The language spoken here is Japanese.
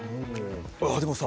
あっでもさ